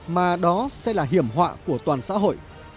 mà đó sẽ là hiểm họa của toàn xã hội